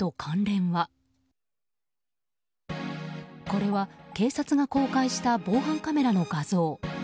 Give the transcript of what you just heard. これは、警察が公開した防犯カメラの画像。